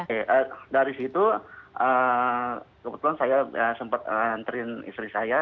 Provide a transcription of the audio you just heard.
oke dari situ kebetulan saya sempat nantikan istri saya